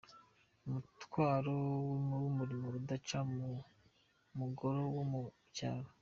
Umutwaro w’imirimo y’urudaca ku mugore wo mu cyaro